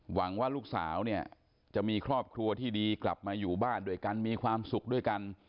หวังว่าลูกสาวเนี่ยจะมีครอบครัวที่ดีกลับมาอยู่บ้านด้วยกันมีความสุขด้วยกัน